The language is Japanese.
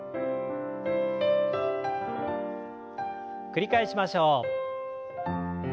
繰り返しましょう。